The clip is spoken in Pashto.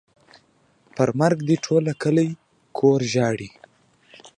پر مرګ دې ټوله کلي کور ژاړي.